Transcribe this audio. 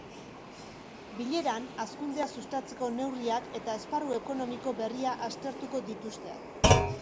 Bileran, hazkundea sustatzeko neurriak eta esparru ekonomiko berria aztertuko dituzte.